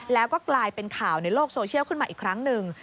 แล้วก็กลายเป็นข่าวในโลกโซเชียลขึ้นมาอีกครั้งหนึ่ง